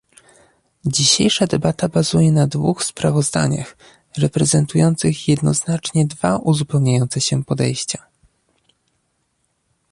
Dzisiejsza debata bazuje na dwóch sprawozdaniach, reprezentujących jednoznacznie dwa uzupełniające się podejścia